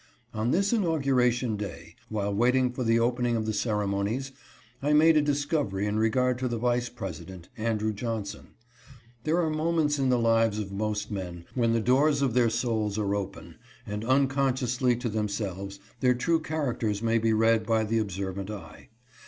On this inauguration day, while waiting for the opening of the ceremonies, I made a discovery in regard to the Vice President, Andrew Johnson. There are moments in the lives of most men when the doors of their souls are open, and, unconsciously to themselves, their true charac ters may be read by the observant eye.